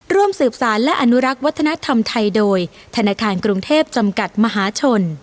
ร่วมสืบสารและอนุรักษ์วัฒนธรรมไทยโดยธนาคารกรุงเทพจำกัดมหาชน